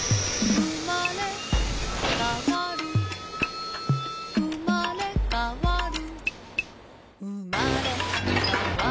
「うまれかわるうまれかわる」